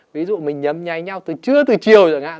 ví dụ mình nhấm nháy nhau từ trưa từ chiều chẳng hạn